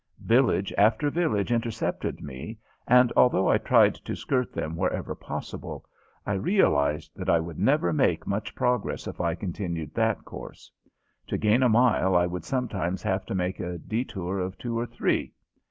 Village after village intercepted me, and, although I tried to skirt them wherever possible, I realized that I would never make much progress if I continued that course. To gain a mile I would sometimes have to make a detour of two or three.